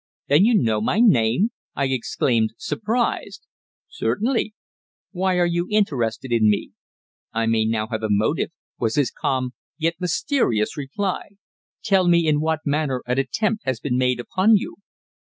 "Then you know my name?" I exclaimed, surprised. "Certainly." "Why are you interested in me?" "I may now have a motive," was his calm yet mysterious reply. "Tell me in what manner an attempt has been made upon you?"